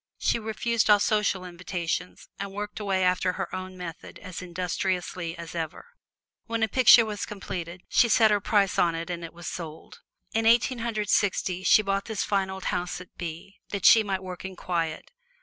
She refused all social invitations, and worked away after her own method as industriously as ever. When a picture was completed, she set her price on it and it was sold. In Eighteen Hundred Sixty she bought this fine old house at By, that she might work in quiet.